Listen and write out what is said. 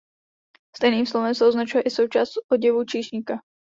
Stejným slovem se označuje i součást oděvu číšníka.